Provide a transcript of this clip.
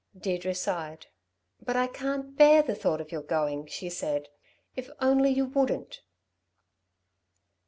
Deirdre sighed. "But I can't bear the thought of your going," she said. "If only you wouldn't!"